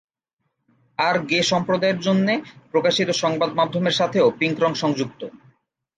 আর gay সম্প্রদায়ের জন্যে প্রকাশিত সংবাদমাধ্যমের সাথেও পিঙ্ক রং সংযুক্ত।